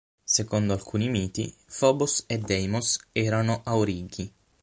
Secondo alcuni miti, Fobos e Deimos erano aurighi.